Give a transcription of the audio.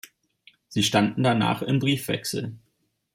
Sie standen danach in Briefwechsel.